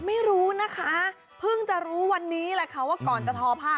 ไม่รู้นะคะเพิ่งจะรู้วันนี้แหละค่ะว่าก่อนจะทอผ้า